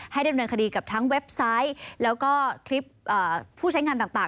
ดำเนินคดีกับทั้งเว็บไซต์แล้วก็คลิปผู้ใช้งานต่าง